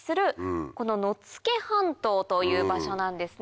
この野付半島という場所なんですね。